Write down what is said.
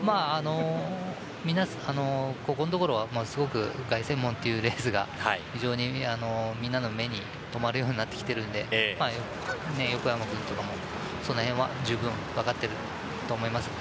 ここのところすごく凱旋門というレースがみんなの目に留まるようになってきているので横山くんとかもその辺はじゅうぶん分かっていると思います。